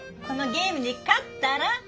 このゲームに勝ったら。